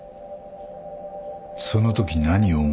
そのとき何を思った？